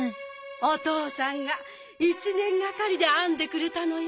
おとうさんが１ねんがかりであんでくれたのよ。